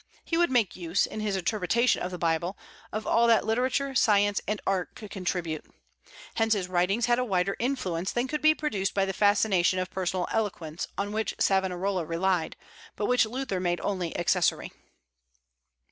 He would make use, in his interpretation of the Bible, of all that literature, science, and art could contribute. Hence his writings had a wider influence than could be produced by the fascination of personal eloquence, on which Savonarola relied, but which Luther made only accessory.